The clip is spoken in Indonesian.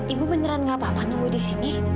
ibu beneran staffah tunggu di sini